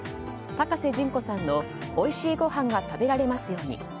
高瀬隼子さんの「おいしいごはんが食べられますように」